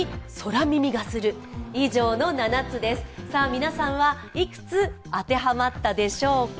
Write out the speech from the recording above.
皆さんはいくつ当てはまったでしょうか。